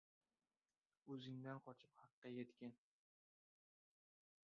— O‘zingdan qochib Haqqa yetgin.